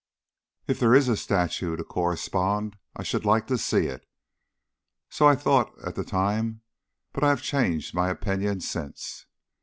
If there is a statue to correspond I should like to see it!" So I thought at the time, but I have changed my opinion since.